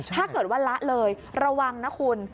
ถ้าเกิดว่าละเลยระวังนะคุณ